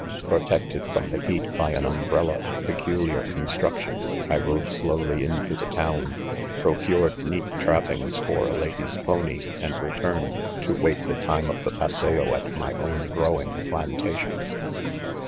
. "Protected from the heat by an umbrella of peculiar construction, I rode slowly into thu town; procured neat: trapping's for a lady's; pony, LO'd returned to wait the time of the 'paxse.o ill; my own growing" plantation.